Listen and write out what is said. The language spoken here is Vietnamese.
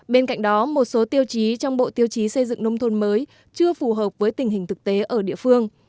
bên cạnh đó một số tiêu chí trong bộ tiêu chí xây dựng nông thôn mới chưa phù hợp với tình hình thực tế ở địa phương